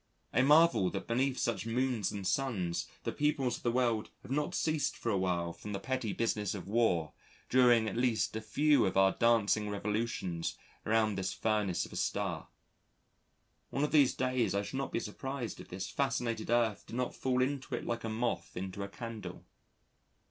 I marvel that beneath such moons and suns, the peoples of the world have not ceased for a while from the petty business of war during at least a few of our dancing revolutions around this furnace of a star. One of these days I should not be surprised if this fascinated earth did not fall into it like a moth into a candle.